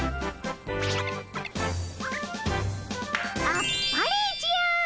あっぱれじゃ。